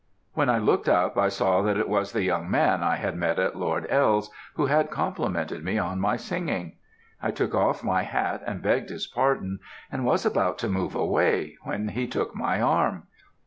When I looked up I saw it was the young man I had met at Lord L.'s, who had complimented me on my singing. I took off my hat and begged his pardon, and was about to move away, when he took my arm.